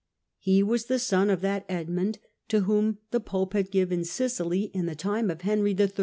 He was the son of that Edmund to whom the pope had given Sicily in the time of Henry III.